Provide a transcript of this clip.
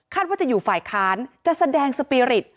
ว่าจะอยู่ฝ่ายค้านจะแสดงสปีริต